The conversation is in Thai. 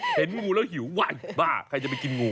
เห็นงูแล้วหิววันบ้าใครจะไปกินงู